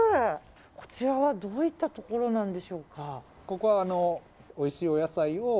こちらはどういったところなんでしょうか。